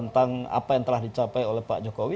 dan apa yang telah dicapai oleh pak jokowi